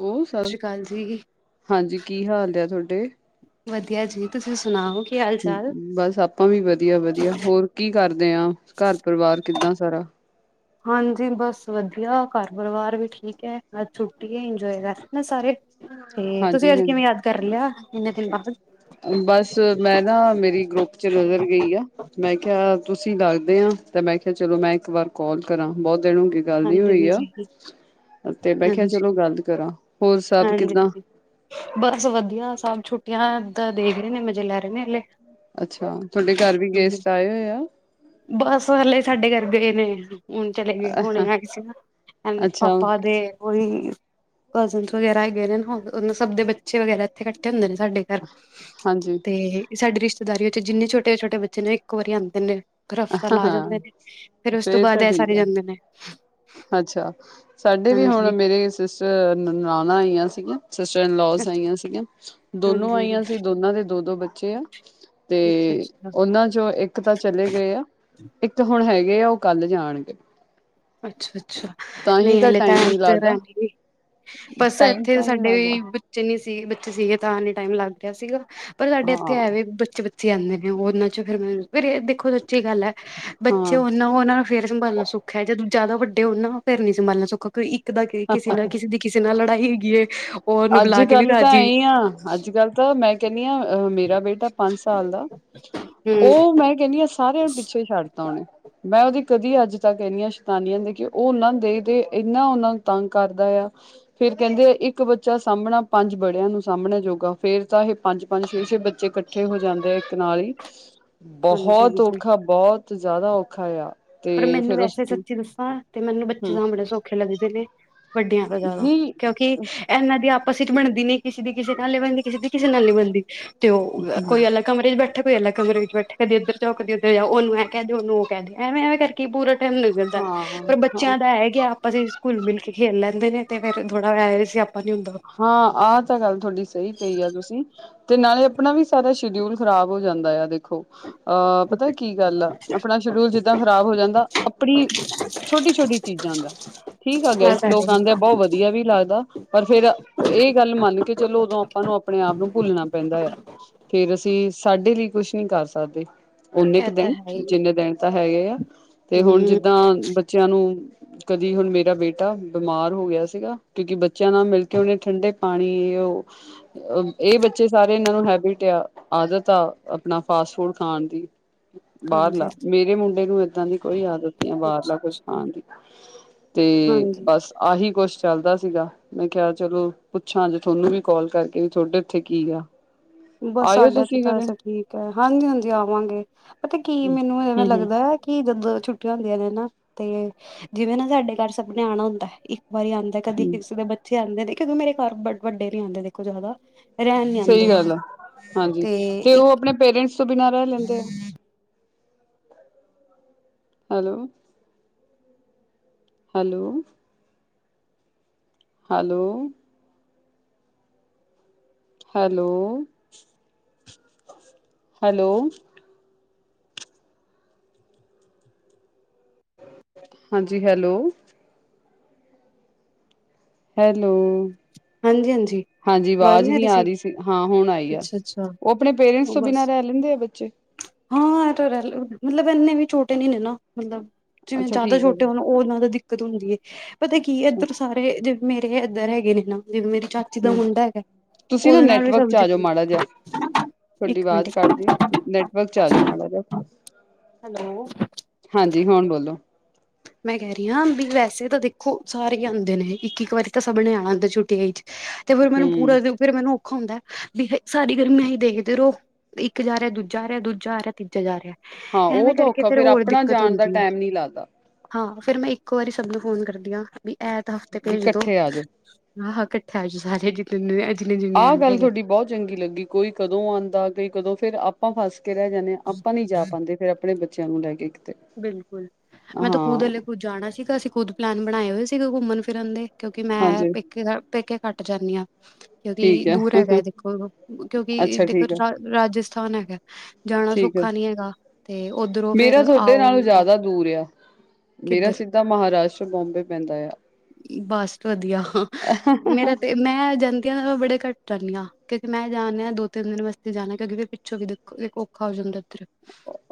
ਉਹ ਸਭ ਸਤਿ ਸ਼੍ਰੀ ਅਕਾਲ ਜੀ, ਹਾਂਜੀ ਕੀ ਹਾਲ ਹੈ ਤੁਹਾਡੇ। ਵਧੀਆ ਜੀ ਤੁਸੀ ਸੁਣਾਓ। ਕੀ ਹਾਲ ਚਾਲ? ਬਸ ਆਪਾਂ ਵੀ ਵਧੀਆ-ਵਧੀਆ ਹੋਰ ਕੀ ਕਰਦੇ ਆ ਘਰ ਪਰਿਵਾਰ ਕਿੱਦਾਂ ਸਾਰਾ? ਹਾਂਜੀ ਬਸ ਵਧੀਆ ਘਰ ਪਰਿਵਾਰ ਵੀ ਠੀਕ ਐ ਅਜ ਛੁੱਟੀ ਐ ਇੰਜੋਏ ਕਰ ਰਹੇ ਨੇ ਸਾਰੇ। ਤੇ ਤੁਸੀ ਹਾਂਜੀ ਅੱਜ ਹਾਂਜੀ ਕਿਵੇਂ ਯਾਦ ਕਰ ਲਿਆ ਇੰਨੇ ਦਿਨ ਬਾਦ। ਬਸ ਮੈਂ ਨਾ ਮੇਰੀ ਗਰੁੱਪ ਚ ਨਜ਼ਰ ਗਈ ਆ। ਮੈਂ ਕਿਹਾ ਤੁਸੀ ਦਸਦੇ ਓ ਤੇ ਮੈਂ ਕਿਹਾ ਚਲੋ ਮੈਂ ਇੱਕ ਵਾਰ ਕਾਲ ਕਰਾ ਬੋਤ ਦਿਨ ਹੋਗੇ। ਗੱਲ ਨੀ ਹੋਈ ਆ ਹਾਂਜੀ-ਹਾਂਜੀ, ਤੇ ਮੈਂ ਕਿਹਾ ਹਾਂਜੀ। ਚਲੋ ਗੱਲ ਕਰਾ ਹੋਰ ਸਭ ਕਿੱਦਾਂ ਹਾਂਜੀ-ਹਾਂਜੀ, ਬਸ ਵਧੀਆ ਸਭ ਛੁੱਟੀਆਂ ਦਾ ਦੇਖ ਰਹੇ ਨੇ ਮਜੇ ਲੈ ਰਹੇ ਨੇ ਹਲੇ। ਅੱਛਾ। ਤੁਹਾਡੇ ਘਰ ਵੀ ਗੇਸਟ ਆਏ ਹੋਏ ਆ ਬਸ ਹਾਲੇ ਸਾਡੇ ਘਰ ਗਏ ਨੇ ਹੁਣ ਚਲੇ ਗਏ ਹੁਣੇ ਆਏ ਸੀ ਨਾ ਅਂ ਅੱਛਾ ਪਾਪਾਂ ਦੇ ਓਹੀ ਕਜ਼ਨਸ ਵਗੈਰਾ ਹੈਗੇ ਨੇ ਸਭ ਦੇ ਬੱਚੇ ਵਗੈਰਾ ਏਥੇ ਇਕੱਠੇ ਹੁੰਦੇ ਨੇ ਸਾਡੇ। ਹਾਂਜੀ ਤੇ ਸਾਡੀ ਰਿਸ਼ਤੇਦਾਰੀ ਵਿੱਚ ਜਿੰਨੇ ਛੋਟੇ ਛੋਟੇ ਬੱਚੇ ਨੇ ਇੱਕ ਵਾਰੀ ਆਂਦੇ ਨੇ। ਫੇਰ ਹਫਤਾ ਲਾ ਹਾਂ ਜਾਂਦੇ ਨੇ ਫੇਰ ਉਸ ਤੋਂ ਬਾਅਦ ਤਾਂ ਐਹ ਠੀਕ ਸਾਰੇ ਆ ਜਾਂਦੇ ਨੇ। ਅੱਛਾ। ਸਾਡੇ ਵੀ ਹੁਣ ਹਾਂਜੀ ਮੇਰੇ ਸਿਸਟਰ ਨਨਾਨਾਂ ਆਈਆਂ ਸੀਗੀਆਂ। ਸਿਸਟਰਸ ਇਨ ਲਾੱਸ ਆਈਆਂ ਸੀਗੀਆਂ। ਦੋਨੋ ਹਾਂਜੀ ਆਈਆਂ ਸੀ ਦੋਨਾਂ ਦੇ ਦੋ ਦੋ ਬੱਚੇ ਆ। ਤੇ ਅੱਛਾ ਅੱਛਾ ਓਨਾਂ ਚੋਂ ਏਕ ਤਾਂ ਚਲੇ ਗਏ ਆ। ਇੱਕ ਤਾਂ ਹੁਣ ਹੈਗੇ ਆ ਓ ਕੱਲ ਜਾਣਗੇ। ਅੱਛਾ ਅੱਛਾ। ਤਾਂ ਹੀ ਨਈ ਹਲੇੇ ਤਾਂ ਟਾਈਮ ਨੀ ਲੱਗਦਾ ਇਕ ਬਸ ਟਾਈਮ ਐਥੇ ਤਾਂ ਨੀ ਸਾਡੇ ਲੱਗਦਾ ਵੀ ਚਨੀ ਸੀ ਬੱਚੇ ਸੀਗੇ ਤਾਂ ਨੀ ਟਾਈਮ ਲੱਗ ਰਿਹਾ ਸੀਗਾ ਪਰ ਸਾਡੇ ਐਥੇ ਹਾਂ ਐਵੇ ਬੱਚੇੇ ਆਂਦੇ ਨੇ ਓਨਾਂ ਚ ਫੇਰ ਮੈ ਫਿਰ ਏਹ ਦੇਖੋ ਸੱਚੀ ਗੱਲ ਐ ਬੱਚੇ ਹਾਂ ਓਨਾਂ ਓ ਨਾ ਫੇਰ ਸੰਭਾਲਣਾ ਸੋਖਾ ਐ। ਜਦੋਂ ਜ਼ਆਦਾ ਵੱਡੇ ਹੋਣ ਨਾ ਫੇਰ ਨੀ ਸੰਭਾਲਣਾ ਸੋਖਾ ਕੋ ਈ ਕਿਦਾ ਕੀ ਕਿਸੇ ਦੀ ਕਿਸੇ ਨਾਲ ਲੜਾਈ ਹੈਗੀ ਏ ਓ ਔਨੂੰ ਅੱਜ ਬੁਲਾ ਕੇ ਨੀ ਕੱਲ ਤਾਂ ਰਾਜੀ। ਐ ਆ ਅੱਜ ਕੱਲ ਮੈਂ ਕਹਿੰਨੀ ਆਂ ਅ ਮੇਰਾ ਬੇਟਾ ਪੰਜ ਸਾਲ ਦਾ ਹਮ ਓ ਮੈਂ ਕਹਿੰਨੀ ਆਂ ਸਾਰਿਆਂ ਪਿਛੇ ਛੱਡਤਾ ਓਣੇ। ਮੈਂ ਓਹਦੀ ਕਦੀ ਅੱਜ ਤੱਕ ਏਨਿਆਂ ਸ਼ੈਤਾਨੀਆਂ ਨੀ ਦੇਖਿਆਂ ਓ ਓਨਾਂ ਨੂੰ ਦੇਖ ਦੇ ਕੇ ਏਨਾਂ ਓਨਾਂ ਤੰਗ ਕਰਦਾ ਆ। ਫੇਰ ਕਹਿੰਦੇ ਆ ਏਕ ਬੱਚਾ ਸਾਂਭਣਾ ਪੰਜ ਬੜਿਆਂ ਨੂੰ ਸਾਮਬਣੇ ਜੋਗਾ ਫੇਰ ਤਾਂ ਏਹ ਪੰਜ ਪੰਜ ਛੇ ਛੇ ਬੱਚੇ ਕੱਠੇ ਹੋ ਜਾਂਦੇ ਐ ਇੱਕ ਨਾਲ ਈ। ਹਾਂਜੀ ਬਹੁਤ ਹਾਂਜੀ ਔਖਾ ਬਹੁਤ ਜ਼ਿਆਦਾ ਔਖਾ ਆ। ਪਰ ਤੇ ਮੈਨੂੰ ਫੇਰ ਉਸ ਵੈਸੇ ਤੋਂ ਸੱਚੀ ਦੱਸਾਂ ਤੇ ਮੈਨੂੰ ਬੱਚੇ ਹੂੰ ਸਾਂਭਣੇ ਸੌਖੇ ਲੱਗਦੇ ਨੇ। ਵੱਡੀਆਂ ਤੋਂ ਜ਼ਿਆਦਾ ਨਹੀਂ ਕਿਉਂਕਿ ਇਹਨਾਂ ਦੀ ਆਪਸ ਵਿੱਚ ਬਣਦੀ ਨੀ। ਕਿਸੇ ਦੀ ਕਿਸੇ ਨਾਲ ਨਹੀਂ ਬਣਦੀ, ਕਿਸੇ ਦੀ ਕਿਸੇ ਨਾਲ ਨਹੀਂ ਬਣਦੀ ਤੇ ਉਹ ਕੋਈ ਅਲੱਗ ਕਮਰੇ ਚ ਬੈਠੇ ਕੋਈ ਅਲੱਗ ਕਮਰੇ ਵਿੱਚ ਬੈਠੇ, ਕਦੇ ਇੱਧਰ ਜਾਓ, ਕਦੇ ਉਧਰ ਜਾਓ, ਉਹਨੂੰ ਇਹ ਕਹਿ ਦਿਓ, ਉਹਨੂੰ ਉਹ ਕਹਿ ਦਓ ਐਵੇਂ ਐਵੇਂ ਕੀ ਪੂਰਾ ਟਾਈਮ ਲੰਘ ਜਾਂਦਾ, ਹਾਂ ਪਰ ਹਾਂ ਬੱਚਿਆਂ ਦਾ ਐ ਕਿ ਆਪਸ ਵਿੱਚ ਘੁਲ ਮਿਲ ਕੇ ਖੇਲ ਲੈਂਦੇ ਨੇ ਤੇ ਫੇਰ ਥੋੜਾ ਐ ਵੀ ਸਿਆਪਾ ਨੀ ਹੁੰਦਾ। ਹਾਂ ਆਹ ਤਾਂ ਗੱਲ ਤੁਹਾਡੀ ਸਹੀ ਕਈ ਆ ਤੁਸੀਂ। ਤੇ ਨਾਲੇ ਆਪਣਾ ਵੀ ਸਾਰਾ ਸ਼ਡਿਊਲ ਖ਼ਰਾਬ ਹੋ ਜਾਂਦਾ ਆ ਦੇਖੋ। ਅ ਪਤਾ ਕੀ ਗੱਲ ਆ ਅਪਣਾ ਸ਼ਡਿਊਲ ਜਿੱਦਾਂ ਖ਼ਰਾਬ ਹੋ ਜਾਂਦਾ ਅਪਣੀ ਛੋਟੀ ਛੋਟੀ ਚੀਜ਼ਾਂ ਦਾ। ਠੀਕ ਆ ਇਹ ਤਾਂ ਗੈਸਟ ਹੈ ਲੋਕ ਹੀ ਆਂਦੇ ਬੌ ਵਧੀਆ ਵੀ ਲੱਗਦਾ ਪਰ ਫੇਰ ਏ ਗੱਲ ਮੰਨ ਕੇ ਚਲੋ ਓਦੋਂ ਆਪਾਂ ਨੂੰ ਆਪਣੇ ਆਪ ਨੂੰ ਭੁੱਲਣਾ ਪੈਂਦਾ ਐ। ਫੇਰ ਅਸੀ ਸਾਡੇ ਲਈ ਕੁਛ ਨਈ ਕਰ ਸਕਦੇ। ਓਨੇ ਇਹ ਕੁ ਤਾਂ ਦਿਨ ਹੈ ਹੀ। ਜਿੰਨੇ ਦਿਨ ਤਾਂ ਹੈਗੇ ਆ ਤੇ ਹੁਣ ਹੂੰ ਜਿੱਦਾਂ ਬੱਚੇਆਂ ਨੂੰ ਕਦੀ ਹੁਣ ਮੇਰਾ ਬੇਟਾ ਬਿਮਾਰ ਹੋ ਗਿਆ ਸੀਗਾ ਕਿਉਂਕਿ ਬੱਚਿਆਂ ਨਾਲ ਮਿਲ ਕਿਉਕਿ ਓਨੇ ਠੰਡੇ ਪਾਣੀ ਓ ਏ ਬੱਚੇ ਸਾਰੇ ਏਹਨਾਂ ਨੂੰ ਹੈਬਿਟ ਆ ਆਦਤ ਆ ਅਪਣਾ ਫਾਸਟ ਫੂਡ ਖਾਣ ਦੀ। ਹਾਂਜੀ ਬਾਰਲਾ ਅੱਛਾ ਮੇਰੇ ਮੁੰਡੇ ਨੂੰ ਏਦਾਂ ਦੀ ਕੋਈ ਆਦਤ ਨੀ ਐ ਬਾਰਲਾ ਕੁਝ ਅੱਛਾ ਖਾਣ ਦੀ। ਤੇ ਹਾਂਜੀ ਬਸ ਆਹੀ ਕੁਛ ਚੱਲਦਾ ਸੀਗਾ। ਮੈਂ ਕਿਹਾ। ਚਲੋ ਪੁੱਛਾਂ ਜੇ ਤੁਹਾਨੂੰ ਵੀ ਕੋਲ ਕਰਕੇ ਵੀ ਤੁਹਾਡੇ ਉੱਥੇ ਕੀ ਆ? ਬਸ ਆਇਓ ਸਾਡੇ ਇਥੇ ਤੁਸੀਂ ਤਾਂ ਕਦੇ ਐਸੇ ਹੂੰ ਠੀਕ ਐ ਹਾਂਜੀ ਹਾਂਜੀ ਆਵਾਂਗੇ ਪਤਾ ਕੀ ਮੈਨੂੰ ਐਵੇਂ ਹੂੰ ਲੱਗਦਾ ਕੀ ਜਦੋਂ ਛੁੱਟੀਆਂ ਹੁੰਦੀਆਂ ਨੇ ਨਾ ਤੇ ਜਿਵੇਂ ਨਾ ਸਾਡੇ ਘਰ ਸਭ ਨੇ ਆਣਾ ਹੁੰਦਾ ਇੱਕ ਵਾਰੀ ਆਂਦਾ ਕਦੀ ਹੂੰ ਕਿਸੇ ਦੇ ਬੱਚੇ ਆਂਦੇ ਨੇ ਕਿਉਂਕਿ ਮੇਰੇ ਘਰ ਵੱਡੇ ਨੀ ਆਂਦੇ ਦੇਖੋ ਜ਼ਿਆਦਾ, ਰਹਿਣ ਨੀ ਆਂਦੇ। ਸਹੀ ਗੱਲ ਆ ਹਾਂਜੀ ਤੇ ਉਹ ਆਪਣੇ ਪੇਰੈਂਟਸ ਤੋਂ ਬਿਨਾ ਰਹਿ ਲੈਂਦੇ ਆ। Hello. Hello. Hello. Hello, hello. ਹਾਂਜੀ, ਹੈਲੋ। ਹੈਲੋ। ਹਾਂਜੀ- ਹਾਂਜੀ। ਹਾਂਜੀ ਆਵਾਜ਼ ਨਹੀਂ ਆ ਰਹੀ ਸੀ, ਹਾਂ ਹੁਣ ਆਈ ਐ। ਅੱਛਾ ਅੱਛਾ ਉਹ ਆਪਣੇ ਪੇਰੈਂਟਸ ਤੋਂ ਬਿਨਾਂ ਬਸ ਰਹਿ ਲੈਂਦੇ ਆ ਬੱਚੇ। ਹਾਂ ਇਹ ਤਾਂ ਰਹਿ ਰੀ, ਮਤਲਬ ਏਨੇ ਵੀ ਛੋਟੇ ਨੀ ਨੇ ਨਾ। ਮਤਲਬ ਜਿਵੇਂ ਅੱਛਾ ਜਿਆਦਾ ਠੀਕ ਆ ਛੋਟੇ ਹੋਣ ਉਹਨਾਂ ਦਾ ਦਿੱਕਤ ਹੁੰਦੀ ਏ, ਪਤਾ ਕੀ ਏ ਇੱਧਰ ਸਾਰੇ ਜਿਵੇਂ ਮੇਰੇ ਇੱਧਰ ਹੈਗੇ ਨੇ ਨਾ, ਜਿਵੇਂ ਮੇਰੀ ਚਾ ਚਾਚੇ ਦਾ ਹਮ ਮੁੰਡਾ ਹੈਗਾ, ਤੁਸੀਂ ਨਾ ਉਹਦੇ ਨਾਲ ਵੀ ਨੈਟਵਰਕ ਸਭ ਚ ਦੀ ਆ ਜਾਓ ਮਾੜਾ ਜਿਹਾ ਤੁਹਾਡੀ ਆਵਾਜ਼ ਕੱਟਦੀ ਐ, ਨੈਟਵਰਕ ਚ ਆ ਜਾਓ ਮਾੜਾ ਜਾ। ਹੈਲੋ। ਹਾਂਜੀ, ਹੁਣ ਬੋਲੋ। ਮੈਂ ਕਹਿ ਰਹੀ ਹਾਂ, ਵੀ ਵੈਸੇ ਤਾਂ ਦੇਖੋ ਸਾਰੇ ਹੀ ਆਂਦੇ ਨੇ, ਇੱਕ- ਇੱਕ ਵਾਰੀ ਤਾਂ ਸਭ ਨੇ ਆਣਾ ਹੁੰਦਾ ਛੁੱਟੀ। [unintelligible] ਤੇ ਫੇਰ ਮੈਨੂੰ ਪੂਰਾ ਫਿਰ ਮੈਨੂੰ ਔਖਾ ਹੁੰਦਾ, ਵੀ ਸਾਰੀ ਗਰਮੀ ਏਹੀ ਦੇਖਦੇ ਰਹੋ। ਇੱਕ ਜਾ ਰਿਹਾ, ਦੂਜਾ ਆ ਰਿਹਾ, ਦੂਜਾ ਆ ਰਿਹਾ, ਤੀਜਾ ਜਾ ਰਿਹਾ। ਹਾਂ ਉਹ ਐਵੇਂ ਤਾਂ ਕਰਕੇ ਔਖਾ, ਫੇਰ ਹੋਰ ਆਪਣਾ ਦਿੱਕਤ ਜਾਣ ਦਾ ਹੁੰਦੀ ਹੈ ਟੈਮ ਨੀ ਲੱਗਦਾ। ਹਾਂ, ਫੇਰ ਮੈਂ ਇੱਕੋ ਵਾਰੀ ਸਭ ਨੂੰ ਫੋਨ ਕਰਦੀ ਆ, ਵੀ ਐਤ ਹਫ਼ਤੇ ਵੀ ਭੇਜ ਦੋ। ਇਕੱਠੇ ਆ ਜਾਓ ਆਹੋ ਕੱਠਾ ਆਜੋ ਸਾਰੇ ਜਿਤਨੇ ਐਂ। ਆਹ ਗੱਲ ਥੋਡੀ ਬਹੁਤ ਚੰਗੀ ਲੱਗੀ, ਕੋਈ ਕਦੋਂ ਆਂਦਾ, ਕੋਈ ਕਦੋਂ ਫਿਰ ਆ ਆਪਾਂ ਫਸ ਕੇ ਰਹਿ ਜਾਂਦੇ ਆ, ਆਪਾਂ ਨੀ ਜਾ ਪਾਂਦੇ ਫੇਰ ਆਪਣੇ ਬੱਚਿਆਂ ਨੂੰ ਲੈ ਕੇ। ਬਿਲਕੁਲ, ਮੈਂ ਤਾਂ ਖੁਦ ਹਾਂ ਹਲੇ ਖੁਦ ਜਾਣਾ ਸੀਗਾ, ਅਸੀਂ ਖੁਦ ਪਲੈਨ ਬਣਾਏ ਹੋਏ ਸੀਗੇ, ਘੁੰਮਣ ਫਿਰਨ ਦੇ। ਕਿਉਂਕਿ ਮੈਂ ਹਾਂਜੀ ਪੇਕੇ ਦਾ ਪੇਕੇ ਘੱਟ ਜਾਨੀ ਆਂ। ਕਿਉਂਕਿ ਠੀਕ ਹੈ ਦੂਰ ਹੈਗਾ ਦੇਖੋ ਉਰੋਂ, ਕਿਉਂਕਿ ਅੱਛਾ ਦੇਖੋ ਠੀਕ ਹੈ ਰਾ ਰਾਜਸਥਾਨ ਹੈਗਾ। ਜਾਣਾ ਠੀਕ ਹੈ ਸੌਖਾ ਨੀ ਹੈਗਾ, ਤੇ ਉੱਧਰੋਂ ਫੇਰ ਮੇਰਾ ਤੁਹਾਡੇ ਆਓ ਨਾਲੋਂ ਜ਼ਿਆਦਾ ਦੂਰ ਆ, ਮੇਰਾ ਕਿੱਧਰ ਸਿੱਧਾ ਮਹਾਰਾਸ਼ਟਰ ਬੋਂਬੇ ਪੈਂਦਾ ਆ। ਬਸ ਵਧੀਆ, ਮੇਰਾ ਤੇ ਮੈਂ ਜਾਂਦੀ ਆਂ ਬੜੇ ਘੱਟ ਜਾਂਨੀ ਆਂ, ਕਿਉਂਕਿ ਮੈਂ ਜਾਣਦੀ ਹਾਂ ਦੋ ਤਿੰਨ ਦਿਨ ਵਾਸਤੇ ਵੀ ਜਾਣਾ, ਕਿਉਂਕਿ ਫਿਰ ਪਿੱਛੋਂ ਵੀ ਦੇਖੋ ਔਖਾ ਹੋ ਜਾਂਦਾ ਫਿਰ।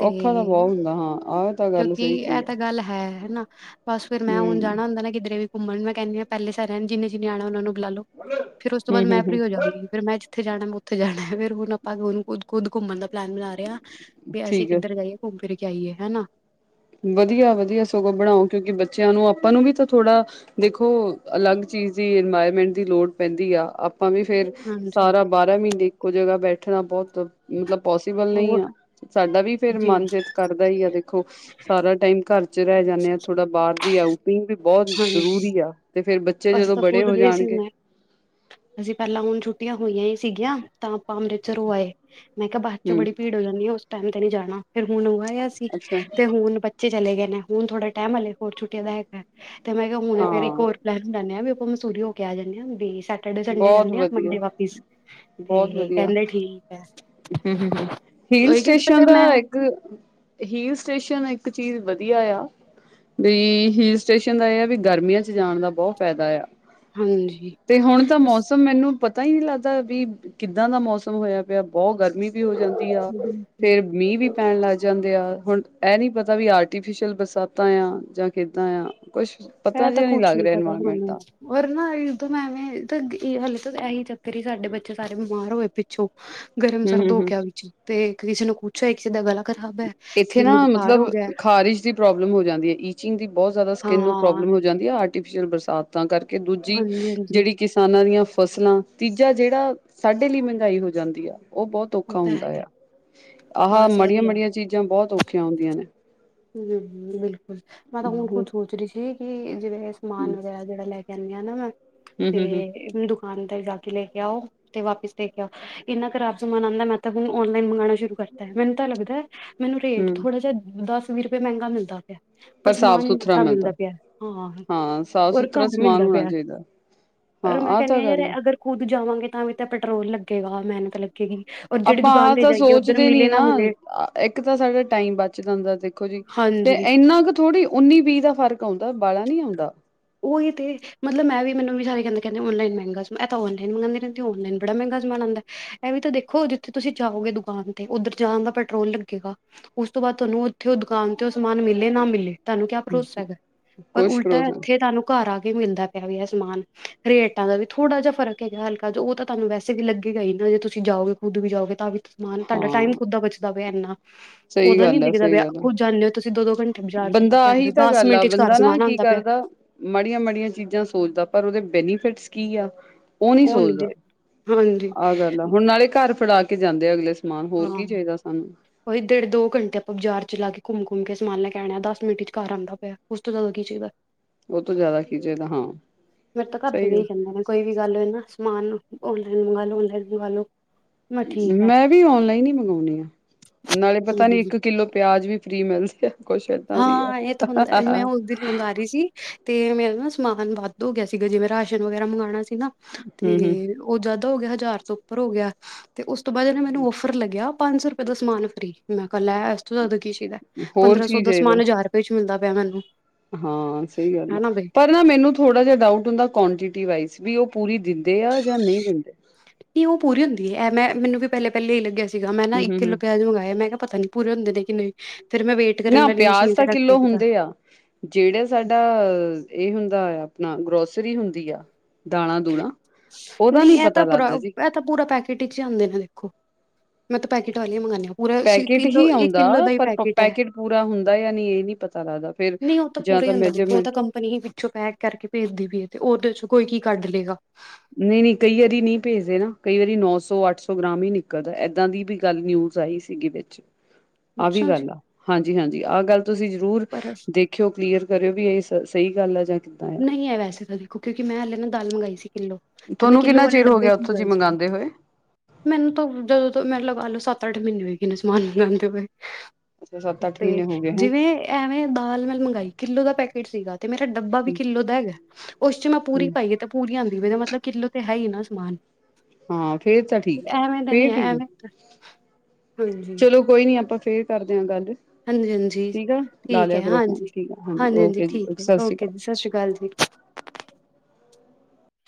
ਔਖਾ ਤਾਂ ਬਹੁਤ ਹੁੰਦਾ ਹਾਂ, ਆਹ ਤਾਂ ਗੱਲ ਕਿਉਂਕਿ ਸਹੀ ਇਹ ਕਹੀ ਆ ਤਾਂ ਗੱਲ ਹੈ ਹਨਾ, ਬਸ ਫੇਰ ਮੈਂ ਹੁਣ ਹਮ ਜਾਣਾ ਹੁੰਦਾ ਨਾ ਕਿਧਰੇ ਵੀ ਮੰਮਾ ਨੂੰ ਮੈਂ ਕਹਿੰਨੀ ਆ, ਪਹਿਲੇ ਸਾਰਿਆਂ ਨੇ ਜਿਨੇ -ਜਿਨੇ ਆਣਾ ਉਹਨਾਂ ਨੂੰ ਬੁਲਾ ਲੋ, ਫਿਰ ਉਸ ਤੋਂ ਬਾਅਦ ਹਮ ਮੈਂ ਹਮ ਹਮ ਫਰੀ ਹੋ ਜਾਂਗੀ। ਫਿਰ ਮੈਂ ਜਿੱਥੇ ਜਾਣਾ ਮੈਂ ਉੱਥੇ ਜਾਣਾ, ਫੇਰ ਹੁਣ ਆਪਾਂ ਖੁਦ- ਖੁਦ ਘੁੰਮਣ ਦਾ ਪਲੈਨ ਬਣਾ ਰਹੇ ਆ। ਵੀ ਅਸੀਂ ਠੀਕ ਹੈ ਕਿੱਧਰ ਗਏ, ਘੁੰਮ ਫਿਰ ਕੇ ਆਈਏ ਹਨਾ। ਵਧੀਆ-ਵਧੀਆ ਸਗੋਂ ਬਣਾਓ, ਕਿਉਂਕਿ ਬੱਚਿਆਂ ਨੂੰ ਆਪਾਂ ਨੂੰ ਵੀ ਤਾਂ ਥੋੜ੍ਹਾ ਦੇਖੋ ਅਲੱਗ ਚੀਜ਼ ਦੀ, ਇਨਵਾਇਰਮੈਂਟ ਦੀ ਲੋੜ ਪੈਂਦੀ ਆ, ਆਪਾਂ ਵੀ ਫੇਰ ਹਾਂਜੀ ਸਾਰਾ ਬਾਰਾਂ ਮਹੀਨੇ ਇੱਕੋ ਜਗ੍ਹਾ ਬੈਠਣਾ ਬਹੁਤ ਮਤਲਬ ਪੋਸੀਬਲ ਨਹੀਂ ਆ, ਹੋਰ ਸਾਡਾ ਵੀ ਫੇਰ ਜੀ ਮਨ ਚਿੱਤ ਕਰਦਾ ਹੀ ਆ ਦੇਖੋ ਸਾਰਾ ਟਾਈਮ ਘਰ ਚ ਰਹਿ ਜਾਂਨੇ ਆਂ, ਥੋੜਾ ਬਾਹਰ ਦੀ ਆਊਟਿੰਗ ਵੀ ਬਹੁਤ ਹਾਂਜੀ ਜ਼ਰੂਰੀ ਆ, ਤੇ ਫਿਰ ਬੱ ਬੱਚੇ ਅਸੀਂ ਜਦੋਂ ਤਾਂ ਬੜੇ ਖੁਦ ਹੋ ਗਏ ਸੀ ਹੁਣੇ ਜਾਣਗੇ ਅਸੀਂ ਪਹਿਲਾਂ ਹੁਣ ਛੁੱਟੀਆਂ ਹੋਈਆਂ ਹੀ ਸੀ ਗੀਆਂ, ਤਾਂ ਆਪਾਂ ਅੰਮ੍ਰਿਤਸਰ ਹੋ ਆਏ। ਮੈਂ ਕਿਹਾ ਬਾਅਦ ਚੋਂ ਹੂੰ ਬੜੀ ਭੀੜ ਹੋ ਜਾਂਦੀ ਆ, ਉਸ ਟਾਈਮ ਤੇ ਨੀ ਜਾਣਾ, ਫਿਰ ਹੁਣ ਉਹ ਆਇਆ ਸੀ, ਅੱਛਾ ਤੇ ਹੁਣ ਬੱਚੇ ਚਲੇ ਗਏ ਨੇ, ਹੁਣ ਥੋੜਾ ਟਾਈਮ ਹਲੇੇ ਹੋਰ ਛੁੱਟੀਆਂ ਦਾ ਹੈ, ਤੇ ਮੈਂ ਕਿਹਾ ਹੁਣ ਫੇਰ ਇੱਕ ਹਾਂ ਹੋਰ ਲਹਿਰਨ ਜਾਂਦੇ ਹਾਂ, ਵੀ ਆਪਾਂ ਮੰਸੂਰੀ ਹੋ ਕੇ ਆ ਜਾਂਦੇ ਹਾਂ, ਵੀ ਸੱ ਸੈਟਡੇ ਸੰਡੇ ਬਹੁਤ ਜਾਂਦੇ ਆ, ਵਧੀਆ ਮੰਡੇ ਵਾਪਿਸ, ਬਹੁਤ ਤੇ ਵਧੀਆ ਕਹਿੰਦੇ ਠੀਕ ਐ। ਹੂੰ ਹੂੰ ਹੂੰ ਹਿਲ ਉਹੀ ਕਿ ਕੀ ਪਤਾ ਸਟੇਸ਼ਨ ਮੈਂ ਦਾ ਇੱਕ ਹਿਲ ਸਟੇਸ਼ਨ ਇੱਕ ਚੀਜ਼ ਵਧੀਆ ਆ। ਵੀ ਹਿਲ ਸਟੇਸ਼ਨ ਦਾ ਇਹ ਆ ਵੀ, ਗਰਮੀਆਂ ਚ ਜਾਣ ਦਾ ਬਹੁ ਫਾਇਦਾ ਐ। ਹਾਂਜੀ ਬਸ ਮੌਸਮ ਮੈਨੂੰ ਪਤਾ ਹੀ ਨਹੀ ਲੱਗਦਾ ਵੀ ਕਿੱਦਾਂ ਦਾ ਮੌਸਮ ਹੋਇਆ ਪਿਆ ਬਹੁਤ ਗਰਮੀ ਵੀ ਹੋ ਜਾਂਦੀ ਆ ਫੇਰ ਮੀਂਹ ਵੀ ਪੈਣ ਲੱਗ ਜਾਂਦੇ ਆ ਹੁਣ ਇਹ ਨੀ ਪਤਾ ਵੀ ਆਰਟੀਫਿਸ਼ਲ ਬਰਸਾਤਾਂ ਆ ਜਾਂ ਕਿੱਦਾਂ ਆ ਕੁਛ ਪਤਾ ਜਿਹਾ ਨਹੀਂ ਲੱਗ ਰਿਹਾ ਇਨਵਾਇਰਮੈਂਟ ਦਾ ਰ ਨਾ ਦੋਂ ਮੈਂਵੇਂ ਹਲੇੇ ਤਾਂ ਇਹੀ ਚੱਕਰ ਹੀ ਸਾਡੇ ਬੱਚੇ ਸਾਰੇ ਬਿਮਾਰ ਹੋਏ ਪਿੱਛੋਂ ਗਰਮ ਹੂੰ ਸਰਦ ਹੂੰ ਹੋ ਹੂੰ ਗਿਆ ਵਿੱਚ ਤੇ ਕਿਸੇ ਨੂੰ ਪੁੱਛਿਆ ਕਿਸੇ ਦਾ ਗਲਾ ਖਰਾਬ ਹੈ ਇੱਥੇ ਕਿਸੇ ਨਾ ਨੂੰ ਬੁਖਾਰ ਹੋ ਮਤਲਬ ਗਿਆ। ਖ਼ਾਰਿਸ਼ ਦੀ ਪ੍ਰੋਬਲਮ ਹੋ ਜਾਂਦੀ ਹੈ ਈਚਿੰਗ ਦੀ ਬਹੁਤ ਜ਼ਿਆਦਾ ਸਕਿੰਨ ਨੂੰ ਹਾਂ ਪ੍ਰੋਬਲਮ ਹੋ ਜਾਂਦੀ ਹੈ ਆਰਟੀਫਿਸ਼ਲ ਬਰਸਾਤ ਤਾਂ ਕਰਕੇ ਦੂਜੀ ਹਾਂਜੀ ਹਾਂਜੀ ਜਿਹੜੀ ਕਿਸਾਨਾਂ ਦੀਆਂ ਫਸਲਾਂ ਤੀਜਾ ਜਿਹੜਾ ਸਾਡੇ ਲਈ ਮਹਿੰਗਾਈ ਹੋ ਜਾਂਦੀ ਆ ਉਹ ਬਹੁਤ ਉਹ ਔਖਾ ਤਾਂ ਹੁੰਦਾ ਹੈ ਆ ਆਹ ਬਸ ਮੜੀਆਂ ਆਹੀ ਹੈ ਮੜੀਆਂ ਚੀਜ਼ਾਂ ਬਹੁਤ ਔਖੀਆਂ ਹੁੰਦੀਆਂ ਨੇ ਹਮ ਬਿਲਕੁਲ ਮੈਂ ਤਾਂ ਹੁਣ ਹਮ ਕੁਛ ਸੋਚ ਰ ਸੀ। ਕਿ ਜਿਵੇਂ ਸਮਾਨ ਹਮ ਵਗੈਰਾ ਜਿਹੜਾ ਲੈ ਕੇ ਆਦੀ ਆ ਨਾ ਮੈਂ ਹਮ ਹਮ ਤੇ ਦੁ ਹਾਂ ਅੰਦਰ ਜਾ ਕੇ ਲੈ ਕੇ ਆਓ ਤੇ ਵਾਪਿਸ ਦੇ ਕੇ ਆਓ। ਇੰਨਾ ਖਰਾਬ ਸਮਾਨ ਆਉਂਦਾ ਮੈਂ ਤਾਂ ਹੁਣ ਆਨਲਾਈਨ ਮੰਗਉਣਾ ਸ਼ੁਰੂ ਕਰਤਾ ਮੈਨੂੰ ਤਾਂ ਲੱਗਦਾ ਮੈਨੂੰ ਰੇਟ ਹਮ ਥੋੜਾ ਜਿਹਾ ਦਸ ਵੀਹ ਰੁਪਏ ਮਹਿੰਗਾ ਮਿਲਦਾ ਪਿਆ। ਪਰ ਸਮਾਨ ਅੱਛਾ ਮਿਲਦਾ ਪਿਆ ਹਾਂ ਹਾਂ ਸਾਫ ਰ ਸੁਥਰਾ ਘਰ ਸਮਾਨ ਮਿਲਦਾ ਹੋਣਾ ਪਿਆ। ਚਾਹੀਦਾ ਪਰ ਮੈਂ ਆਹ ਕਹਿੰਦੀ ਤਾਂ ਹਾਂ ਯਾਰ ਗੱਲ ਹੈ ਅਗਰ ਖੁੱਦ ਜਾਵਾਂਗੇ ਤਾਂ ਵੀ ਤਾਂ ਪੈਟਰੋਲ ਲੱਗੇਗਾ ਮਿਹਨਤ ਲੱਗੇਗੀ। ਔਰ ਜਿਹੜੀ ਆਪਾਂ ਆ ਦੁਕਾਨ ਤੇ ਤਾਂ ਜਾਈਏ ਉੱਧਰ ਸੋਚਦੇ ਨੀ ਮਿਲੇ ਨਾ ਮਿਲੇ ਇੱਕ ਤਾਂ ਸਾਡਾ ਟਾਈਮ ਬਚ ਜਾਂਦਾ ਦੇਖੋ ਜੀ ਤੇ ਹਾਂਜੀ ਇੰਨਾ ਕੁ ਥੋੜੀ ਉੱਨੀ ਵੀਹ ਦਾ ਫ਼ਰਕ ਆਉਂਦਾ ਬਾ ਲਾ ਨੀ ਆਉਂਦਾ ਉਹੀ ਤੇ। ਮਤਲਬ ਮੈਂ ਵੀ ਮੈਨੂੰ ਵੀ ਸਾਰੇਹ ਕਹਿੰਦੇ ਔਨਲਾਈਨ ਮਹਿੰਗਾ ਤਾਂ ਔਨਲਾਈਨ ਮੰਗਉਂਦੀ ਰਹਿੰਦੀ ਔਨਲਾਈਨ ਬੜਾਮਹਿੰਗਾ ਸਮਾਨ ਆਉਂਦਾ। ਇਹ ਵੀ ਤਾਂ ਦੇਖੋ ਜਿੱਥੇ ਤੁਸੀਂ ਜਾਓਗੇ ਦੁਕਾਨ ਤੇ ਉੱਧਰ ਜਾਣ ਦਾ ਪੈਟਰੋਲ ਲੱਗੇਗਾ। ਉਸ ਤੋਂ ਬਾਅਦ ਤੁਹਾਨੂੰ ਉੱਥੇ ਉਹ ਦੁਕਾਨ ਤੇ ਉਹ ਸਮਾਨ ਮਿਲੇ ਨਾ ਮਿਲੇ ਤੁਹਾਨੂੰ ਕਿਆ ਭਰੋਸਾ ਹੈਗਾ ਪਰ ਕੁਛ ਉਲਟਾ ਭਰੋਸਾ ਇੱਥੇ ਤੁਹਾਨੂੰ ਘਰ ਆ ਕੇ ਮਿਲਦਾ ਪਿਆ ਵੀ ਇਹ ਸਮਾਨ ਰੇਟਾਂ ਦਾ ਵੀ ਥੋੜਾ ਜਿਹਾ ਫਰਕ ਹੈਗਾ ਹਲ ਉਹ ਤਾਂ ਤੁਹਾਨੂੰ ਵੈਸੇ ਵੀ ਲੱਗੇਗਾ ਹੀ ਨਾ ਜੇ ਤੁਸੀਂ ਜਾਓਗੇ ਖੁਦ ਵੀ ਜਾਓਗੇ ਤਾਂ ਵੀ ਮਾਨ ਤੁਹਾਡਾ ਟਾਈਮ ਹਾਂ ਕਿੱਦਾਂ ਬਚਦਾ ਪਿਆ ਇੰਨ ਸਹੀ ਉਦਦਾ ਨੀ ਗੱਲ ਆ ਦਿਖਦਾ ਸਹੀ ਗੱਲ ਆ। ਖੁਦ ਜਾਂਦੇ ਹੋ ਤੁਸੀਂ ਦੋ ਦੋ ਘੰਟੇ ਬਾਜ਼ਾਰ ਚਲਾ ਬੰਦਾ ਕੇ ਆਉਂਦੇ ਆਹੀ ਹੋ ਤਾਂ ਦਸ ਗੱਲ ਆ ਮਿੰਟ ਚ ਘਰ ਬੰਦਾ ਨਾ ਸਮਾਨ ਕੀ ਆਉਂਦਾ ਪਿਆ। ਕਰਦਾ ਮਾੜੀਆਂ ਮਾੜੀਆਂ ਚੀਜ਼ਾਂ ਸੋਚਦਾ ਪਰ ਉਹਦੇ ਬੈਨੀਫਿਟਸ ਕੀ ਆ ਉਹ ਨਹੀਂ ਸੋਚਦਾ ਹਾਂਜੀ ਆਹ ਗੱਲ ਆ ਹੁਣ ਨਾਲੇ ਘਰ ਫੜਾ ਕੇ ਜਾਂਦੇ ਅਗਲੇ। ਸਮਾਨ ਹਾਂ ਹੋਰ ਕੀ ਚਾਹੀਦਾ ਸਾਨੂੰ। ਉਹੀ ਡੇਢ ਦੋ ਘੰੇ ਆਪਾਂ ਬਾਜ਼ਾਰ ਚ ਲਾ ਕੇ ਘੁੰਮ ਘੁੰਮ ਕੇ ਸਮਾਨ ਲੈ ਕੇਹਿਣ ਆ ਦਸ ਮਿੰਟ ਚਰ ਆਉਂਦਾ ਪਿਆ ਉਸ ਤੋਂ ਜਦੋਂ ਕੀ ਚਾਹੀਦਾ। ਉਹ ਤੋਂ ਜ਼ਿਆਦਾ ਕੀ ਚਾਹੀਦਾ ਹਾਂ। ਫੇਰੇ ਤਾਂ ਘਰ ਦੇ ਸਹੀ ਵੀ ਹੀ ਗੱਲ। ਕਹਿੰਦੇ ਨੇ ਕੋਈ ਵੀ ਗੱਲ ਨਾ ਸਮਾਨ ਔਨਲਾਈਨ ਮੰਗਾ ਲੋ ਔਨਲਾਈਨ ਮੰਗ ਲ ਲੋ ਮੈਂ ਠੀਕ ਹੈ ਮੈਂ ਵੀ ਔਨਲਾਈਨ ਹੀ ਮੰਗਵਾਉਂਣੀ ਆਾਂ ਨਾਲੇ ਹਮ ਪਤਾ ਨੀ ਇੱਕ ਕਿੱਲੋ ਪਿਆਜ ਵੀ ਫ੍ਰਰੀ ਮਿਲਦੀ ਆ ਕੁਛ ਏਦਾਂ ਵੀ ਆ। ਹਾਂ ਇਹ ਤਾਂ ਹੁੰਦਾ ਮੈਂ ਉਸ ਦਿਨ ਮੰਗ ਰਹੀ ਸੀ ਤੇ ਮੈਂ ਨਾ ਸਮਾਨ ਵੱਧ ਹੋ ਗਿਆ ਸੀਗਾ ਜਿਵੇਂ ਰਾਸ਼ਨ ਵਗੈਰਾ ਮੰਗਵਾਉਣਾ ਸੀ ਨਾ ਤੇ ਹੂੰ-ਹੂੰ ਉਹ ਜ਼ਿਆਦਾ ਹੋ ਗਿਆਹਜ਼ਾਰ ਤੋਂ ਉੱਪਰ ਹੋ ਗਿਆ ਤੇ ਉਸ ਤੋਂ ਬਾਅਦ ਹਾ ਮੈਨੂੰ ਔਫਰ ਲੱਗਿਆ ਪੰਜ ਸੌ ਰੁਪ ਸਮਾਨ ਫਰੀ ਮੈਂ ਕਿਹਾ ਲੈ ਇਸ ਤੋਂ ਜ਼ਿਆਦਾ ਕੀ ਚਾਈਦਾ ਹੋਰ ਪੰਦਰਾਂ ਸੌ ਕੀ ਦਸ ਚਾਹੀਦਾ ਰੁਪਏ ਚ ਮਿਲਦਾ ਪਿਆ ਮੈਨੂੰ ਹਾਂ ਸਹੀ ਗੱਲ ਆ ਹਨਾ ਬਈ ਪਰ ਨਾ ਮੈਨੂੰ ਥੋੜਾ ਜਿਹਾ ਡਾਊਟ ਹੁੰਦਾ ਕੁਆਂਟਿਟੀ ਵਾਈਜ਼ ਵੀ ਉਹ ਪੂਰੀ ਦਿੰਦੇ ਆ ਜਾਂ ਨਹੀਂ ਦਿੰਦੇ। ਨਹੀਂ ਉਹ ਪੂਰੀ ਹੁੰਦੀ ਹੈ ਇਹ ਮੈਨ ਵੀ ਪਹਿਲੇ ਪਹਿਲੇਾਂ ਹੀ ਲੱਗਿਆ ਸੀਗਾ ਮੈਂ ਨਾ ਇੱਕ ਕਿੱਲੋ ਹੂੰ-ਹੂੰ-ਹੂੰ ਪਿਆਜ ਮੰਗਇਆ ਮੈਂ ਕਿਹਾ ਪਤਾ ਨੀ। ਪੂਰੇ ਹੁੰਦੇ ਨੇ ਕਿ ਨਹੀਂ ਫੇਿਰ ਮੈਂ ਵੇ ਨਾ ਪਿਆਜ ਤਾਂ ਕਿੱਲੋ ਹੁੰਦੇ ਆ। ਜਿਹੜਾ ਸਾਡਾ ਇਹ ਹੁੰਦਾ ਆ ਆਪਣਾ ਗਰੋਸਰੀ ਹੁੰਦੀ ਆ ਦਾਲਾਂ ਦੂਲਾ ਉਹਦਾ ਨੀ ਨਹੀਂ ਇਹ ਪਤਾ ਤਾਂ ਪੂਰਾ ਲੱਗਦਾ ਜੀ। ਇਹ ਤਾਂ ਪੂਰਾ ਪੈਕੇਟ ਵਿਚ ਹੀ ਆਉਦੇ ਨੇ ਦੇਖੋ ਮੈਂ ਤਾਂ ਪੈਕੇਟ ਵਾਲੀਆਂ ਮ ਮੰਗਉਂਦਾ ਹੈ। ਪੈਕੇਟ ਹੀ ਆਉਂਦਾ, ਪਰ ਹੈ। ਪੈਕੇਟ ਪੂਰਾ ਹੁੰਦਾ ਯਾ ਨਹੀਂ, ਇਹ ਨੀ ਪਤਾ ਲੱਗਦਾ ਫੇਰ ਨਹੀਂ ਉਹ ਤਾਂ ਪੂਰਾ ਹੀ ਹੁੰਦਾ ਜੀ, ਉਹ ਤਾਂ ਕੰਪਨੀ ਹੀ ਪਿੱਛੋਂ ਪੈਕ ਕਰਕੇ ਭੇਜਦੇ-ਭੇਜਦੇ ਉਹਦੇ'ਚੋਂ ਕੋਈ, ਕੀ ਕੱਢ ਲੇਗਾ। ਨਹੀਂ-ਨਹੀਂ, ਕਈ ਵਾਰੀ ਨਹੀਂ ਭੇਜਦੇ ਨਾ, ਕਈ ਵਾਰੀ ਨੌ-ਸੌ ਅੱਠ-ਸੌ ਗ੍ਰਾਮ ਹੀ ਨਿਕਲਦਾ, ਏਦਾਂ ਦੀ ਵੀ ਗੱਲ ਨਿਊਜ਼ ਜ ਆਈ ਸੀਗੀ ਵਿੱਚ, ਆਹ ਵੀ ਅੱਛਾ ਜੀ, ਗੱਲ ਆ। ਹਾਂਜੀ-ਹਾਂਜੀ, ਆਹ ਗੱਲ ਤੁਸੀਂ ਜ਼ਰੂਰ ਪਰ ਦੇਖ ਦੇਖਿਓ, ਕਲੀਅਰ ਕਰਿਓ, ਵੀ ਇਹ ਸ ਸਹੀ ਗੱਲ ਆ, ਜਾਂ ਕਿੱਦਾਂ ਆ ਨਹੀਂ ਹੈ ਵੈਸੇ ਤਾਂ ਦੇਖੋ, ਕਿਉਂਕਿ ਮੈਂ ਹਾਲੇ ਨਾ ਦਾਲ ਮੰਗਾਈ ਸੀ, ਕਿੱਲੋ। ਤੇ, ਮੈਂ ਤੁਹਾਨੂੰ ਕਿੱਲੋ ਕਿੰਨਾ ਵਾਲੇ ਚਿਰ ਹੋ ਗਿਆ ਡੱਬੇ'ਚ ਉੱਥੋਂ ਜੀ ਮੰਗਾਈ ਸੀ। ਮੰਗਵਾਉਂਦੇ ਹੋਏ ਮੈਨੂੰ ਤਾਂ, ਜਦੋਂ ਤੋਂ, ਮਤਲਬ ਆ ਲਓ ਸੱਤ-ਅੱਠ ਮਹੀਨੇ ਹੋਏਗੇ ਨੇ, ਸਮਾਨ ਮੰਗਾਦੇ ਹੋਏ। ਅੱਛਾ ਸੱਤ ਅੱਠ ਤੇ ਮਹੀਨੇ ਹੋ ਗਏ ਹੈ ਜਿਵੇਂ, ਐਵੇਂ ਦਾਲ ''ਮੈਂ ਮੰਗਾਈ, ਕਿਲੋ ਦਾ ਪੈਕੇਟ ਸੀਗਾ, ਤੇ ਮੇਰਾ ਡੱਬਾ ਵੀ ਕਿੱਲੋ ਦਾ ਹੈਗਾ, ਉਸ'ਚ ਮੈਂ ਪੂਰੀ ਪਾਈਏ, ਤੇ ਪੂਰੀ ਆਂਦੀ ਪੀ, ਇਹਦਾ ਮਤਲਬ, ਕਿੱਲੋ ਤੇ ਹੈ ਹੀ ਨਾ ਸਮਾਨ। ਹਾਂ, ਫੇਰ ਤਾਂ ਠੀਕ ਆ। ਐਵੇਂ ਤਾਂ ਨੀ ਫੇਰ ਹੈ ਠੀਕ ਆ, ਐਵੇਂ ਹਾਂਜੀ, ਚਲੋ ਕੋਈ ਨੀ ਆਪਾਂ ਫੇਰ ਕਰਦੇ ਆਂ, ਗੱਲ। ਹਾਂਜੀ-ਹਾਂਜੀ ਠੀਕ ਆ, ਲਾ ਠੀਕ ਹੈ ਲਿਆ ਕਰੋ ਹਾਂਜੀ। ਫੋਨ, ਠੀਕ ਆ। ਹਾਂਜੀ, ਹਾਂਜੀ-ਹਾਂਜੀ ਓਕੇ ਜੀ, ਠੀਕ ਹੈ ਸਤਿ ਸ੍ਰੀ ਓਕੇ ਅਕਾਲ। ਜੀ ਸਤਿ ਸ਼੍ਰੀ ਅਕਾਲ ਜੀ।